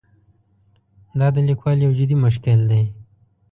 دا د لیکوالو یو جدي مشکل دی.